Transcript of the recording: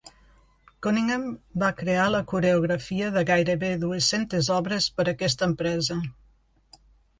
Cunningham va crear la coreografia de gairebé dues-centes obres per aquesta empresa.